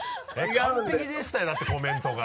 完璧でしたよだってコメントが。